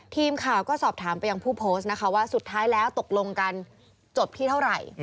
ทีมข่าวก็สอบถามไปยังผู้โพสต์นะคะว่าสุดท้ายแล้วตกลงกันจบที่เท่าไหร่